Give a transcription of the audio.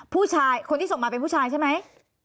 ผู้ชายคนที่ส่งมาเป็นผู้ชายใช่ไหม